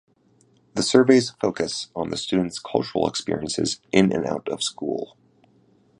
The surveys focus on the students' cultural experiences in and out of school.